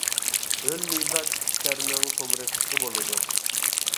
ھۆل مىزاج كىشىلەرنىڭ تومۇرى قىسقا بولىدۇ.